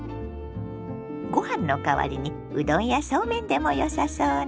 ご飯の代わりにうどんやそうめんでもよさそうね。